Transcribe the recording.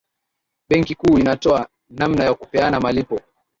benki kuu inatoa namna ya Kupeana malipo